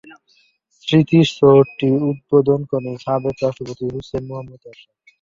স্মৃতিসৌধটি উদ্বোধন করেন সাবেক রাষ্ট্রপতি হুসেইন মুহাম্মদ এরশাদ।